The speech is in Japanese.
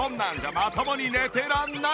まともに寝てらんない！